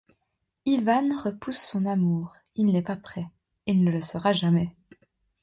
Ivan repousse son amour, il n’est pas prêt, il ne le sera jamais.